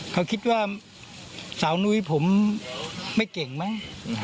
เขาคิดว่าสาวนุ้ยผมไม่เก่งมั้ง